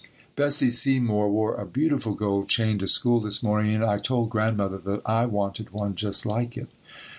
Bessie Seymour wore a beautiful gold chain to school this morning and I told Grandmother that I wanted one just like it.